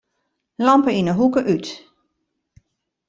Lampe yn 'e hoeke út.